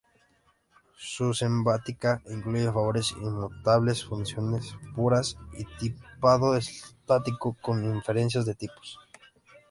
Su semántica incluye valores inmutables, funciones puras, y tipado estático con inferencia de tipos.